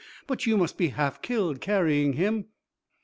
'But you must be half killed carrying him.'